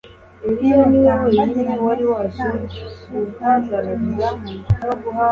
nimutambagirane nta mususu ntanicyo mwishinja